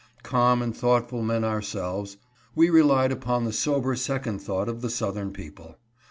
Calm and thoughtful men ourselves, we relied upon the sober second thought of the southern people.